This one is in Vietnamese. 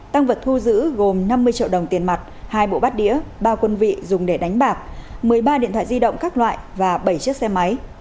tăng vật thu giữ gồm năm mươi triệu đồng tiền mặt hai bộ bát đĩa ba quân vị dùng để đánh bạc một mươi ba điện thoại di động các loại và bảy chiếc xe máy